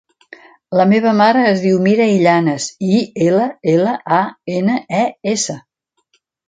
La meva mare es diu Mira Illanes: i, ela, ela, a, ena, e, essa.